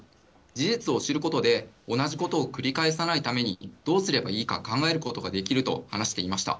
事実を知ることで、同じことを繰り返さないためにどうすればいいか考えることができると話していました。